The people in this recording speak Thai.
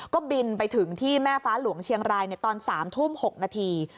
ก็บินไปถึงที่แม่ฟ้าหลวงเชียงรายในตอน๓ทุ่ม๖นาที